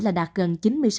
là đạt gần chín mươi sáu